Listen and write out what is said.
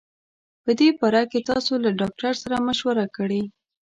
په دي باره کي تاسو له ډاکټر سره مشوره کړي